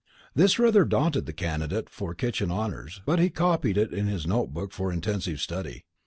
This rather daunted the candidate for kitchen honours, but he copied it in his notebook for intensive study.